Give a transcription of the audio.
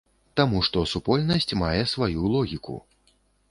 Таму што супольнасць мае сваю логіку.